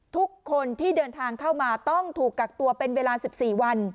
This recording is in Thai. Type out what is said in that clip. ทุกคนที่เดินทางเข้ามาต้องถูกกักตัวเป็นเวลา๑๔วัน